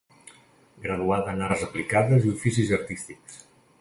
Graduada en Arts Aplicades i Oficis Artístics.